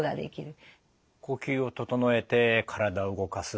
呼吸を整えて体を動かす。